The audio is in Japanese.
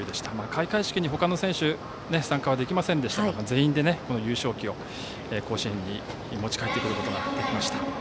開会式にほかの選手は参加はできませんでしたが全員で優勝旗を甲子園に持ち帰ってくることができました。